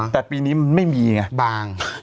แต่ปีนี้มันไม่มีไงบาง